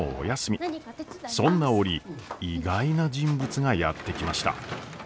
そんな折意外な人物がやって来ました。